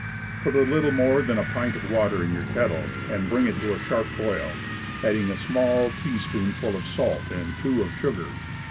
Put a little more than a pint of water in your kettle and bring it to a sharp boil, adding a small teaspoonful of salt, and two of sugar.